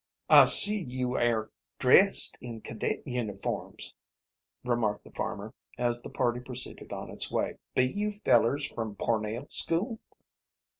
"I see you air dressed in cadet uniforms," remarked the farmer, as the party proceeded on its way. "Be you fellers from Pornell school?"